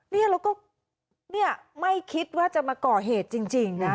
แล้วก็ไม่คิดว่าจะมาเกาะเหตุจริงนะ